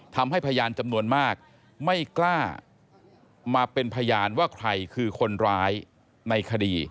พยานจำนวนมากไม่กล้ามาเป็นพยานว่าใครคือคนร้ายในคดี